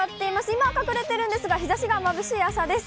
今は隠れているんですが、日ざしがまぶしい朝です。